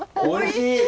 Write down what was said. おいしい。